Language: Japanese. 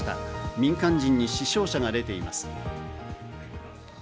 民間人に死傷者が出ています。